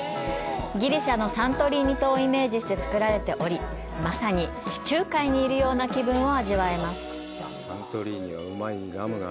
ギリシャのサントリーニ島をイメージして造られており、まさに地中海にいるような気分を味わえます！